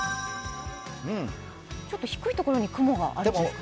ちょっと低いところに雲があるんですね。